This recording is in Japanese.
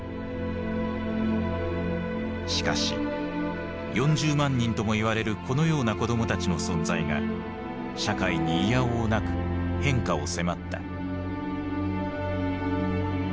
しかし４０万人ともいわれるこのような子どもたちの存在が社会にいやおうなく変化を迫った。